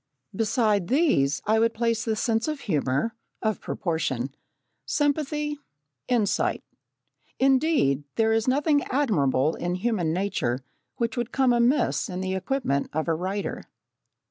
Besides these I would place the sense of humour, of proportion, sympathy, insight, indeed, there is nothing admirable in human nature which would come amiss in the equipment of a writer.